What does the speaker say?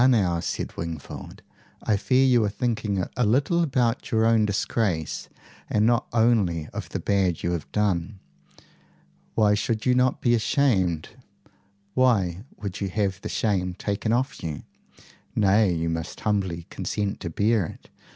now," said Wingfold, "I fear you are thinking a little about your own disgrace and not only of the bad you have done. Why should you not be ashamed? Why would you have the shame taken off you? Nay; you must humbly consent to bear it.